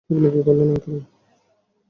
আপনি কী করলেন, আঙ্কেল?